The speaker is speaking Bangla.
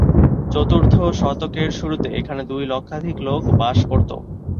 চতুর্থ শতকের শুরুতে এখানে দুই লক্ষাধিক লোক বাস করত।